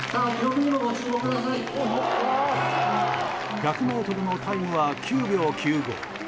１００ｍのタイムは９秒９５。